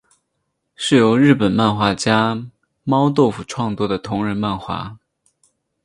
是由日本漫画家猫豆腐创作的同人漫画。